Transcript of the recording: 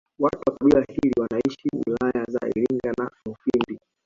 Watu wa kabila hili wanaishi wilaya za Iringa na Mufindi